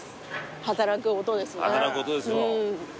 働く音ですよ。